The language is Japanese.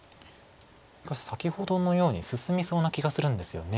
先ほどのように進みそうな気がするんですよね。